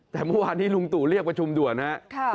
แต่เมื่อวานที่ลุงตู่เรียกประชุมด่วนนะครับ